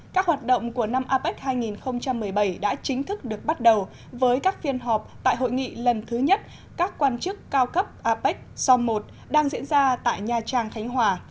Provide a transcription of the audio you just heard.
các hoạt động của năm apec hai nghìn một mươi bảy đã chính thức được bắt đầu với các phiên họp tại hội nghị lần thứ nhất các quan chức cao cấp apec som một đang diễn ra tại nha trang khánh hòa